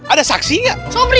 ada saksi tidak